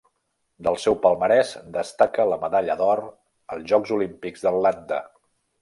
Del seu palmarès destaca la medalla d'or als Jocs Olímpics d'Atlanta.